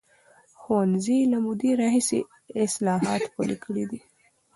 ښوونځي له مودې راهیسې اصلاحات پلي کړي دي.